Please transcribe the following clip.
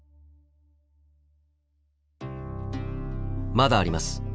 まだあります。